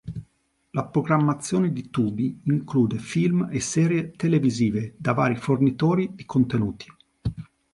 La programmazione di Tubi include film e serie televisive da vari fornitori di contenuti.